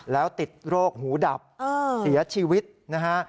แล้วติดโรคหูดับเสียชีวิตนะฮะ